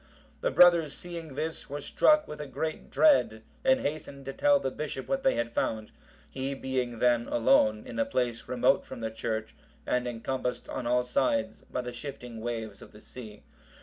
The brothers seeing this, were struck with a great dread, and hastened to tell the bishop what they had found; he being then alone in a place remote from the church, and encompassed on all sides by the shifting waves of the sea.